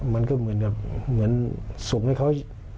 มันก็เหมือนกับเหมือนส่งให้เขา